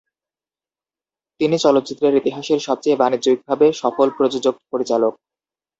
তিনি চলচ্চিত্রের ইতিহাসের সবচেয়ে বাণিজ্যিকভাবে সফল প্রযোজক-পরিচালক।